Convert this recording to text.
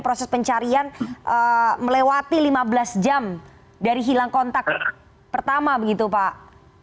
proses pencarian melewati lima belas jam dari hilang kontak pertama begitu pak